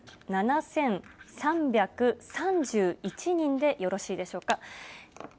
１万７３３１人でよろしいでしょうか。